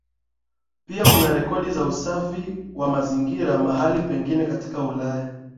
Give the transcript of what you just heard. Pia kuna rekodi za usafi wa mazingira mahala pengine katika Ulaya